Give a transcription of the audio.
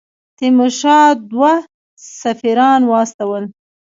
تیمورشاه دوه سفیران واستول.